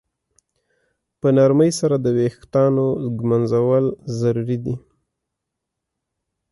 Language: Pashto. په نرمۍ سره د ویښتانو ږمنځول ضروري دي.